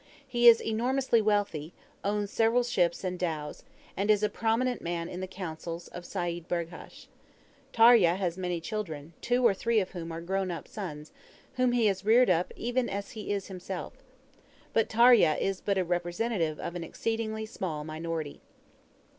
He is enormously wealthy, owns several ships and dhows, and is a prominent man in the councils of Seyd Burghash. Tarya has many children, two or three of whom are grown up sons, whom he has reared up even as he is himself. But Tarya is but a representative of an exceedingly small minority.